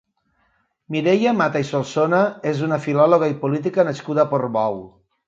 Mireia Mata i Solsona és una filòloga i política nascuda a Portbou.